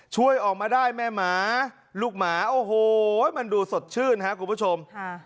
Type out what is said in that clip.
ช่วยออกมาได้แม่หมาลูกหมาโอ้โหมันดูสดชื่นครับคุณผู้ชม